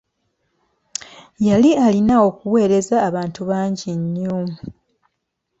Yali alina okuwereza abantu bangi nnyo.